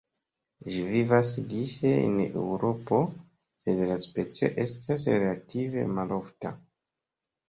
Ĝi vivas dise en Eŭropo, sed la specio estas relative malofta.